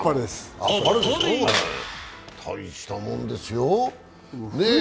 たいしたもんですよ。